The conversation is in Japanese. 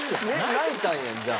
泣いたんやじゃあ。